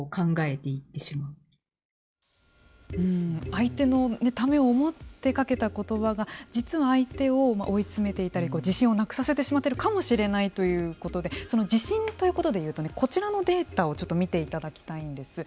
相手のためを思ってかけたことばが実は相手を追い詰めていたり自信をなくさせてしまっているかもしれないということでその自信ということでいうとこちらのデータをちょっと見ていただきたいんです。